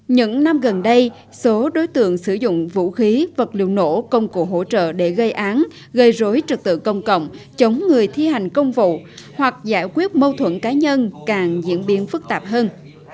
những năm gần đây số đối tượng sử dụng vũ khí vật liệu nổ công cụ hỗ trợ để gây án gây rối trực tự công cộng chống người thi hành công vụ hoặc giải quyết mâu thuẫn cá nhân càng diễn biến phức tạp hơn